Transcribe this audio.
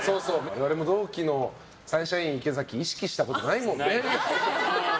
我々も同期のサンシャイン池崎意識したことないもんね。